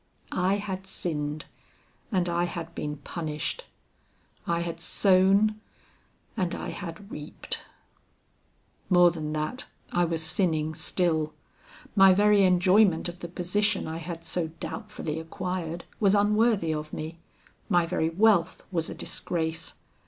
I had sinned, and I had been punished; I had sown, and I had reaped. "More than that, I was sinning still. My very enjoyment of the position I had so doubtfully acquired, was unworthy of me. My very wealth was a disgrace.